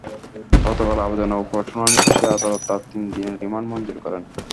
গতকাল আবেদনের ওপর শুনানি শেষে আদালত তাঁর তিন দিনের রিমান্ড মঞ্জুর করেন।